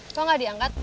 kok gak diangkat